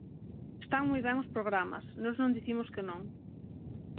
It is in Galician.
Están moi ben os programas, nós non dicimos que non.